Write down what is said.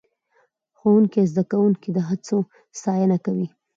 ښوونکی زده کوونکي د هڅو ستاینه کوي